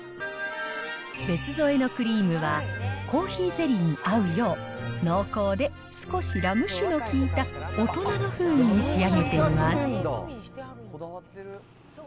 別添えのクリームは、コーヒーゼリーに合うよう、濃厚で少しラム酒の効いた大人の風味に仕上げています。